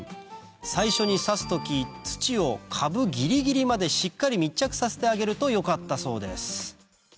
最初に挿す時土を株ぎりぎりまでしっかり密着させてあげるとよかったそうです